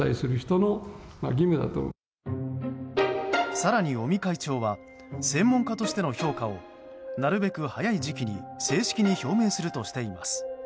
更に、尾身会長は専門家としての評価をなるべく早い時期に正式に表明するとしています。